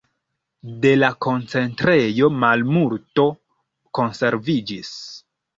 De la koncentrejo malmulto konserviĝis.